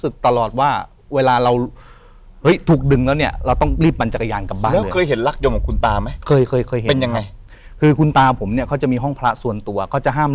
คุณไม่เห็นรากว่า